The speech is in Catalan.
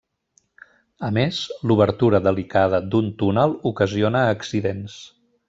A més, l'obertura delicada d'un túnel ocasiona accidents.